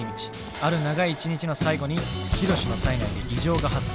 ある長い一日の最後にヒロシの体内で異常が発生。